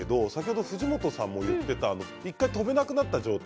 藤本さんも言っていた１回、飛べなくなった状態